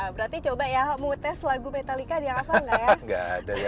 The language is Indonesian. berarti coba ya mau tes lagu metallica di afan nggak ya